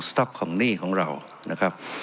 ต๊อกของหนี้ของเรานะครับ